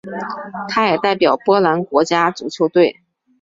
他也代表波兰国家足球队。